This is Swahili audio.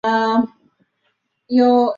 historia na picha za watu wa wakati wake